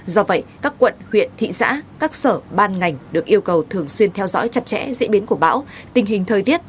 do vậy các quận huyện thị xã các sở ban ngành được yêu cầu thường xuyên theo dõi chặt chẽ diễn biến của bão tình hình thời tiết